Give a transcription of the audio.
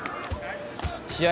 試合